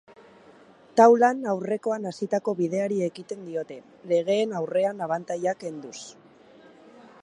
Taulan aurrekoan hasitako bideari ekiten diote, legeen aurrean abantailak kenduz.